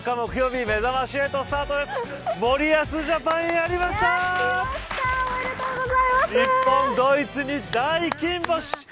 日本、ドイツに大金星。